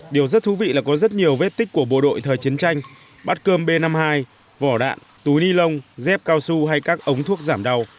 điều rất thú vị là có rất nhiều vết tích của bộ đội thời chiến tranh bát cơm b năm mươi hai vỏ đạn túi ni lông dép cao su hay các ống thuốc giảm đau